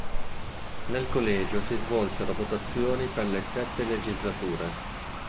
Nel collegio si svolsero votazioni per le sette legislature.